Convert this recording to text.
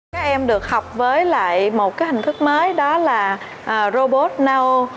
các em được học với lại một hình thức mới đó là robot noel